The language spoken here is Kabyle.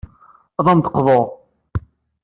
Ad am-d-qḍuɣ.